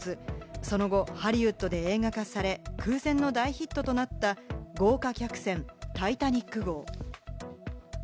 その後、ハリウッドで映画化され、空前の大ヒットとなった豪華客船タイタニック号。